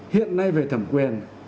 hiện nay về thẩm quyền